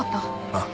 ああ。